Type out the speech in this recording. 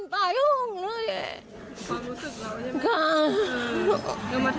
ไม่ไห้